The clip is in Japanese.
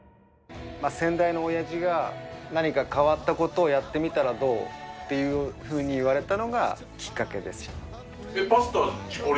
先代の親父が「何か変わった事をやってみたらどう？」っていうふうに言われたのがきっかけです。